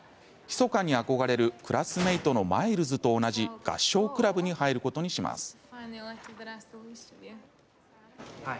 ひそかに憧れるクラスメートのマイルズと同じ合唱クラブに入ることにします。